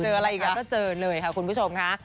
เราก็เจอเลยค่ะคุณผู้ชมค่ะ